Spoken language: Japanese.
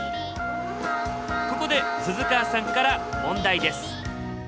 ここで鈴川さんから問題です。